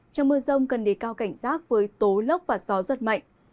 trong mưa rông cần để cao cảnh rác với tố lốc và gió rất mạnh